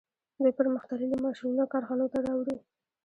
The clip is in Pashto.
دوی پرمختللي ماشینونه کارخانو ته راوړي